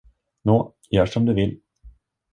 Nå, gör som du vill!